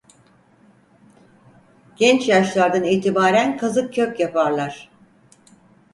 Genç yaşlardan itibaren kazık kök yaparlar.